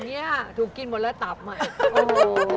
อย่างนี้ถูกกินหมดแล้วตับใหม่